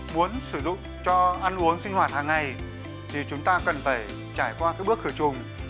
muốn sử dụng cho ăn uống sinh hoạt hàng ngày thì chúng ta cần phải trải qua các bước khởi trùng